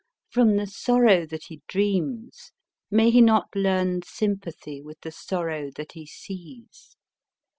From the sorrow that he dreams, may he not learn sympathy with the sorrow that he sees